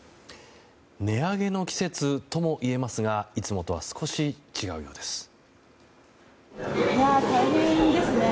値上げの季節ともいえますがいつもとは少し違うようです。